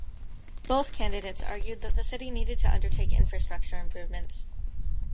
Both candidates argued that the city needed to undertake infrastructure improvements.